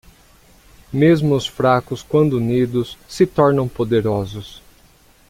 Mesmo os? fracos quando unidos? se tornam poderosos.